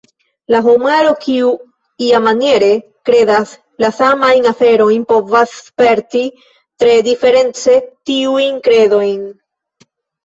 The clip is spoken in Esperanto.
La homaro kiu "iamaniere" kredas la samajn aferojn povas sperti tre diference tiujn kredojn.